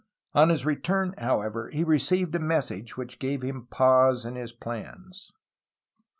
On his return, however, he re ceived a message which gave him pause in his plans.